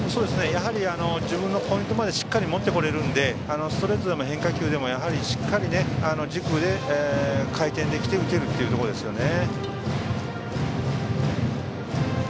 やはり自分のポイントまでしっかり持ってこれるのでストレートでも変化球でも軸で回転できて打てるというところですよね。